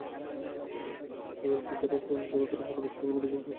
জুয়েলকে গুরুতর আহত অবস্থায় খুলনা মেডিকেল কলেজ হাসপাতালে ভর্তি করা হয়েছে।